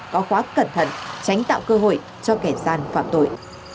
có khóa cẩn thận tránh tạo cơ hội cho kẻ gian phạm tội